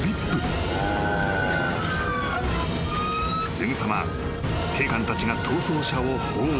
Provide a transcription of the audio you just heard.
［すぐさま警官たちが逃走車を包囲］